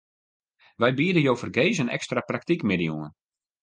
Wy biede jo fergees in ekstra praktykmiddei oan.